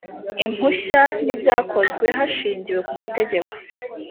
impushya n ibyakozwe hashingiwe kumategeko